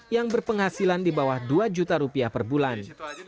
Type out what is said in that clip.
yang berpenghasilan di bawah dua juta rupiah per bulan